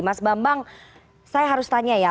mas bambang saya harus tanya ya